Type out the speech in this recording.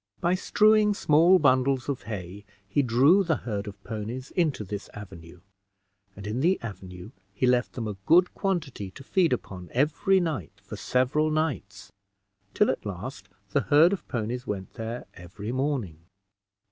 By strewing small bundles of hay, he drew the herd of ponies into this avenue; and in the avenue he left them a good quantity to feed upon every night for several nights, till at last the herd of ponies went there every morning.